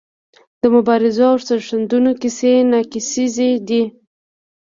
د مبارزو او سرښندنو کیسې ناکیسیزې دي.